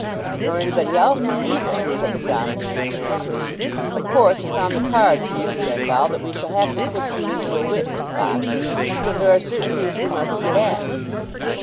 "Nor anybody else's either," said the domineering American. "Of course it's on the cards, Mr. Grendall, that we shall have to put you into a witness box, because there are certain things we must get at."